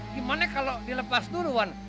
gimana kalau dilepas dulu wan